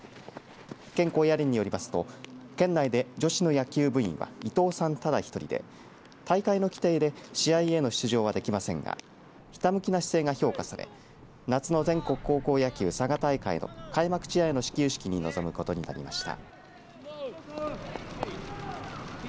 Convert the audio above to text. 県高野連によりますと県内で女子の野球部員は伊藤さんただ１人で大会の規定で試合への出場は出来ませんがひたむきな姿勢が評価され夏の全国高校野球佐賀大会の開幕試合の始球式に臨むことになりました。